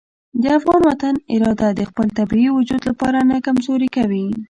د افغان وطن اراده د خپل طبیعي وجود لپاره نه کمزورې کوي.